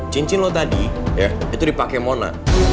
cincin lo tadi ya itu dipakai mona